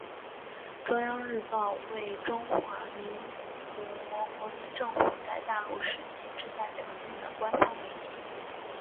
中央日报为中华民国国民政府在大陆时期之代表性的官方媒体。